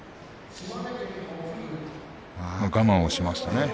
我慢をしましたね。